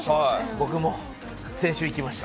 僕も先週行きました。